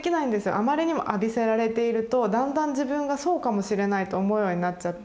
あまりにも浴びせられているとだんだん自分がそうかもしれないと思うようになっちゃって。